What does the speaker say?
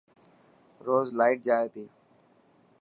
روز لائٽ جائي تي.